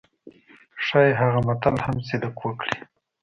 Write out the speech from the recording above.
ښايي هغه متل هم صدق وکړي.